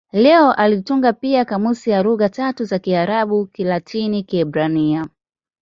Leo alitunga pia kamusi ya lugha tatu za Kiarabu-Kilatini-Kiebrania.